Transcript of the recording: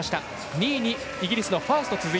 ２位にイギリスのファース。